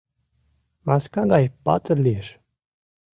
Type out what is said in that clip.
Маска гай патыр лиеш.